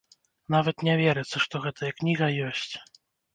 Нават не верыцца, што гэтая кніга ёсць.